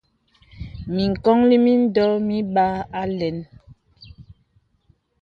Mǐŋkɔnllī mǐndɔ mibāā alɛ̄n.